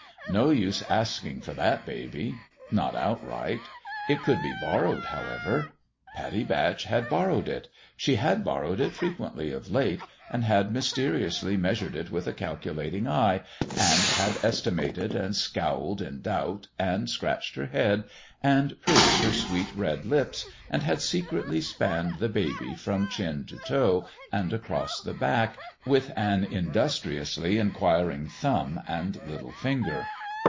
No use asking for that baby ! Not outright. It could be borrowed, however. Pattie Batch had borrowed it ; she had borrowed it frequently, of late, and had mysteriously measured it with a calculating eye, and had estimated, and scowled in doubt, and scratched her head, and pursed her sweet red lips, and had secretly spanned the baby, from chin to toe and across the back, with 88 The WISTFUL HEART an industriously inquiring thumb and little finger.